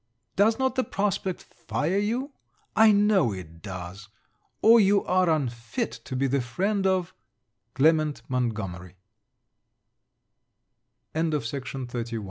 Does not the prospect fire you? I know it does or, you are unfit to be the friend of CLEMENT MONTGOMERY LETTER XV FROM LORD FILMAR